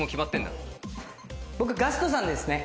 僕ガストさんですね。